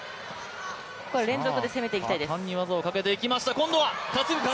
ここは連続で攻めていきたいです。